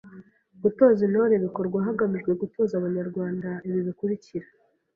Gutoza Intore bikorwa hagamijwe gutoza Abanyarwanda ibibikurikira: